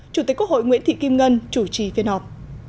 chủ tịch quốc hội nguyễn thị kim ngân chủ trì phiên họp